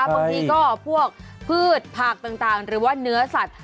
บางทีก็พวกพืชผักต่างหรือว่าเนื้อสัตว